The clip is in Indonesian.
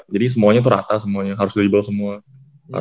jadi semuanya tuh rata semuanya harus dribble semua